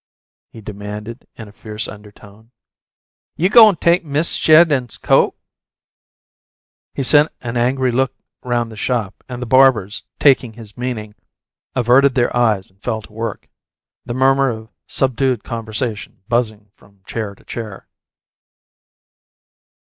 he demanded in a fierce undertone. "You goin' take Mist' Sheridan's coat?" He sent an angry look round the shop, and the barbers, taking his meaning, averted their eyes and fell to work, the murmur of subdued conversation buzzing from chair to chair.